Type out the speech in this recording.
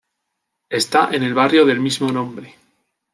Está en el barrio del mismo nombre.